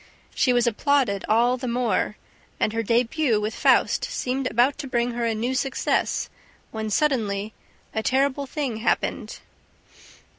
She was applauded all the more; and her debut with Faust seemed about to bring her a new success, when suddenly ... a terrible thing happened.